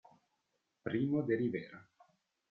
Primo de Rivera